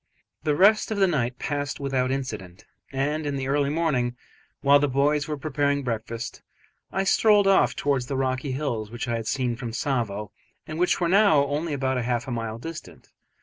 The rest of the night passed without incident, and in the early morning, while the boys were preparing breakfast, I strolled off towards the rocky hills which I had seen from Tsavo, and which were now only about half a mile distant.